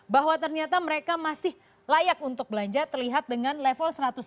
bahwa ternyata mereka masih layak untuk belanja terlihat dengan level satu ratus lima puluh